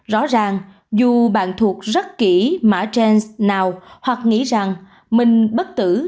rõ ràng dù bạn thuộc rất kỹ mã trans nào hoặc nghĩ rằng mình bất tử